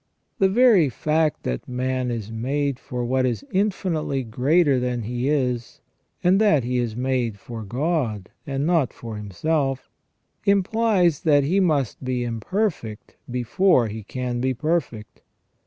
The very fact that man is made for what is infinitely greater than he is, that he is made for God, and not for himself, implies that he must be imperfect before he can be perfect.